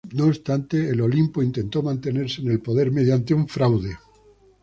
No obstante, el Olimpo intentó mantenerse en el poder mediante un fraude.